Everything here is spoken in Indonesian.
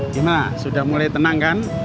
gimana sudah mulai tenang kan